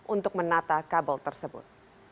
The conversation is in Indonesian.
untuk menata kabel tersebut